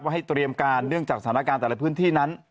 ให้เตรียมการเนื่องจากสถานการณ์แต่ละพื้นที่นั้น